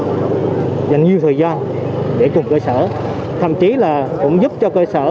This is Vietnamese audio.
thông thơ là dành nhiều thời gian để trụng cơ sở thậm chí là cũng giúp cho cơ sở